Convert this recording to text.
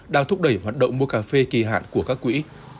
đang thúc đẩy hoạt động mua cà phê kỳ hạn của các quỹ